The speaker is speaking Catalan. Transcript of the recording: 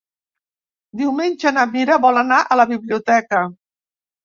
Diumenge na Mira vol anar a la biblioteca.